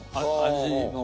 味の。